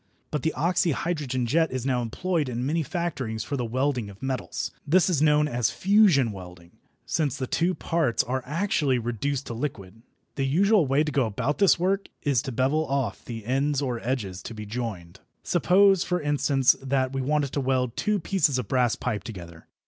But the oxyhydrogen jet is now employed in many factories for the welding of metals. This is known as fusion welding, since the two parts are actually reduced to liquid. The usual way to go about this work is to bevel off the ends or edges to be joined. Suppose, for instance, that we wanted to weld two pieces of brass pipe together.